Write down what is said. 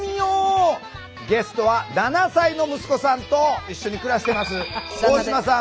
ゲストは７歳の息子さんと一緒に暮らしてます大島さん